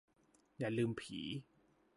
อย่าลืมผี